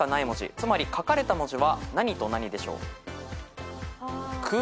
つまり書かれた文字は何と何でしょう？